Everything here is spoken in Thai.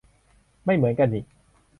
ไม่เหมือนกันนิ